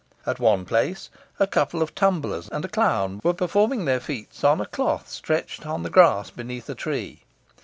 At one place, a couple of tumblers and a clown were performing their feats on a cloth stretched on the grass beneath a tree.